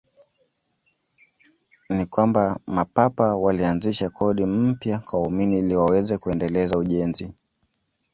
Ni kwamba Mapapa walianzisha kodi mpya kwa waumini ili waweze kuendeleza ujenzi.